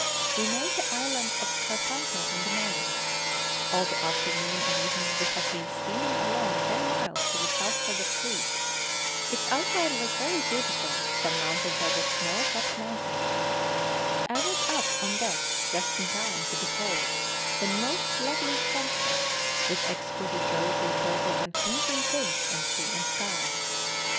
We made the Island of Scarpanto in the morning. All the afternoon and evening we have been steaming along ten miles to the southward of Crete. Its outline was very beautiful, surmounted by the snow capped mountains. I was up on deck just in time to behold the most lovely sunset, with exquisite rosy, purple, and crimson tints on sea and sky.